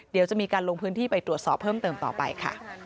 เดี๋ยวจะมีการลงพื้นที่ไปตรวจสอบเพิ่มเติมต่อไปค่ะ